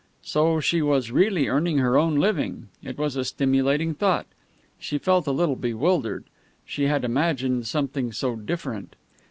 So she was really earning her own living! It was a stimulating thought. She felt a little bewildered. She had imagined something so different.